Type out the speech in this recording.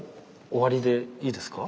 終わりでいいですか？